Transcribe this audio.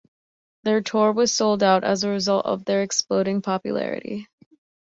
Their tour was sold out as a result of their exploding popularity.